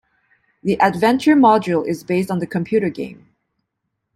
The adventure module is based on the computer game.